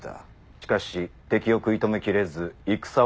しかし敵を食い止めきれず戦は大敗を喫した。